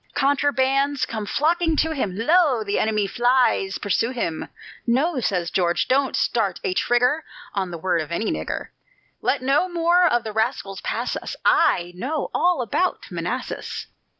Contrabands come flocking to him: "Lo! the enemy flies pursue him!" "No," says George, "don't start a trigger On the word of any nigger; Let no more of the rascals pass us, I know all about Manassas."